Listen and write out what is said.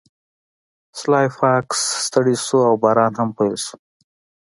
سلای فاکس ستړی شو او باران هم پیل شو